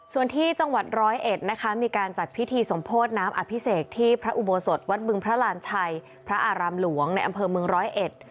ส่วนที่จังหวัดร้อยเอ็ดนะคะมีการจัดพิธีสมโพธิน้ำอภิเษกที่พระอุโบสถวัดบึงพระรานชัยพระอารามหลวงในอำเภอเมืองร้อยเอ็ด